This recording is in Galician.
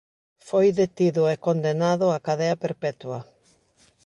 Foi detido e condenado a cadea perpetua.